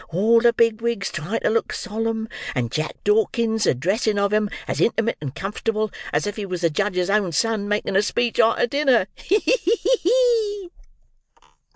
All the big wigs trying to look solemn, and Jack Dawkins addressing of 'em as intimate and comfortable as if he was the judge's own son making a speech arter dinner—ha! ha! ha!"